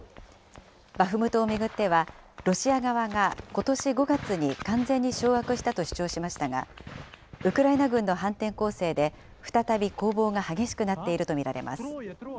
バフムトを巡っては、ロシア側がことし５月に完全に掌握したと主張しましたが、ウクライナ軍の反転攻勢で再び攻防が激しくなっていると見られます。